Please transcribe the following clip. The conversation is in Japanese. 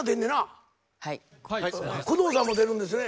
工藤さんも出るんですね。